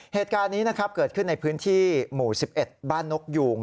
เหตุการณ์นี้นะครับเกิดขึ้นในพื้นที่หมู่๑๑บ้านนกยูง